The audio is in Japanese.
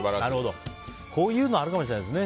こういうのあるかもしれないですね。